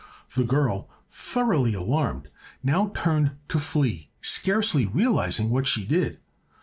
The girl, thoroughly alarmed, now turned to flee, scarcely realizing what she did.